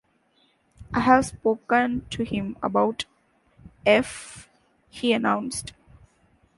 "I've spoken to him about F.," he announced.